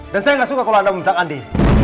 dan saya gak suka kalau anda membentak andi